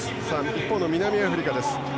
一方の南アフリカです。